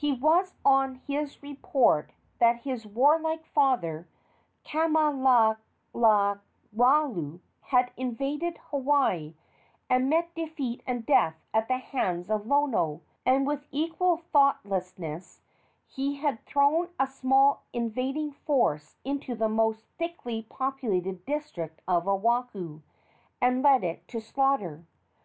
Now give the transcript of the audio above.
It was on his report that his warlike father, Kamalalawalu, had invaded Hawaii, and met defeat and death at the hands of Lono, and with equal thoughtlessness he had thrown a small invading force into the most thickly populated district of Oahu, and led it to slaughter.